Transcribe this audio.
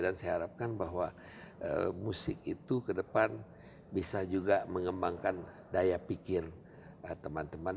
dan saya harapkan bahwa musik itu kedepan bisa juga mengembangkan daya pikir teman teman